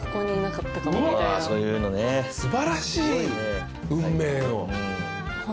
素晴らしい運命の。